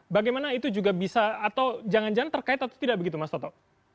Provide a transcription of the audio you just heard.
bagaimana itu juga bisa atau jangan jangan terkait atau tidak begitu mas toto